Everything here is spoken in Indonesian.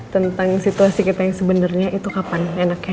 tentang situasi kita yang sebenarnya itu kapan enaknya